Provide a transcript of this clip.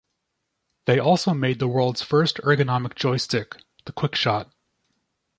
They also made the world's first ergonomic joystick, the QuickShot.